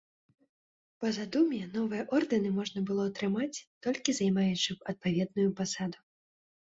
Па задуме новыя ордэны можна было атрымаць, толькі займаючы адпаведную пасаду.